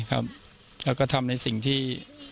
แล้วก็ทำในสิ่งที่